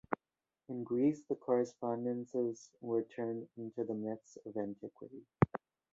In Greece the correspondences were turned into the myths of antiquity.